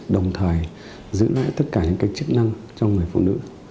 đồng thời giữ lại tất cả những cái chức năng cho người phụ nữ